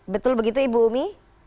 betul begitu ibu umi